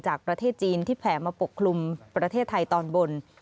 จากประเทศจีนที่แผ่มาปกคลุมประเทศไทยตอนบน